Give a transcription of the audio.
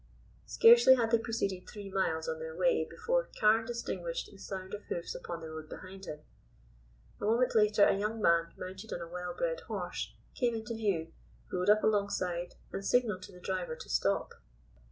Scarcely had they proceeded three miles on their way before Carne distinguished the sound of hoofs upon the road behind him. A moment later a young man, mounted on a well bred horse, came into view, rode up alongside, and signalled to the driver to stop.